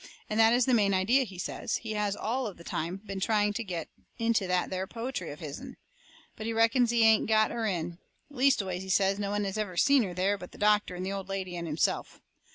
And that is the main idea, he says, he has all the time been trying to get into that there poetry of his'n. But he reckons he ain't got her in. Leastways, he says, no one has never seen her there but the doctor and the old lady and himself.